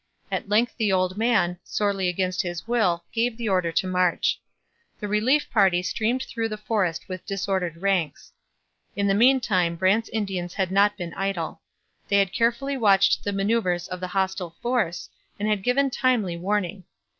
At length the old man, sorely against his will, gave the order to march. The relief party streamed through the forest with disordered ranks. In the meantime Brant's Indians had not been idle. They had carefully watched the manoeuvres of the hostile force, and had given timely warning.